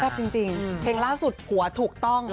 แปปจริงจริงเอือเพลงล่าสุดผัวถูกต้อง